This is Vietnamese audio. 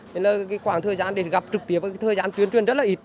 nên là cái khoảng thời gian để gặp trực tiếp và cái thời gian tuyên truyền rất là ít